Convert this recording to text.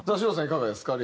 いかがですか？